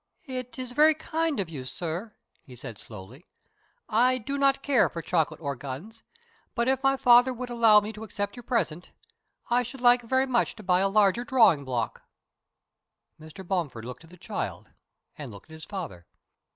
"It is very kind of you, sir," he said slowly. "I do not care for chocolate or guns, but if my father would allow me to accept your present, I should like very much to buy a larger drawing block." Mr. Bomford looked at the child and looked at his father.